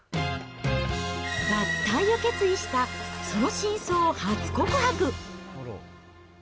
脱退を決意したその真相を初告白。